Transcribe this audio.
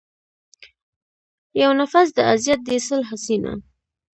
يو نٙفٙس د اذيت دې سل حسينه